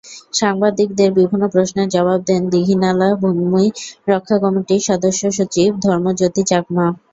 সাংবাদিকদের বিভিন্ন প্রশ্নের জবাব দেন দীঘিনালা ভূমি রক্ষা কমিটির সদস্যসচিব ধর্মজ্যোতি চাকমা।